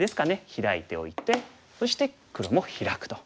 ヒラいておいてそして黒もヒラくと。